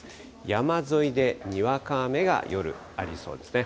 山沿いでにわか雨が夜、ありそうですね。